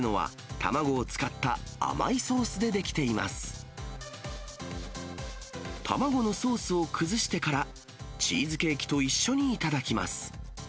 卵のソースを崩してから、チーズケーキと一緒に頂きます。